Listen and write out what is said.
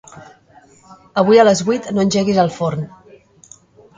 Avui a les vuit no engeguis el forn.